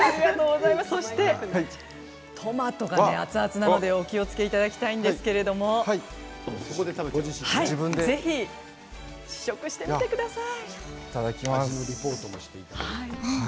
そして、トマトが熱々なのでお気をつけいただきたいですけれどもぜひ試食してみてください。